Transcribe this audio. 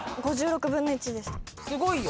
すごいよ。